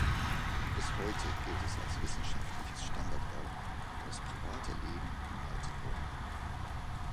Bis heute gilt es als wissenschaftliches Standardwerk für das private Leben im alten Rom.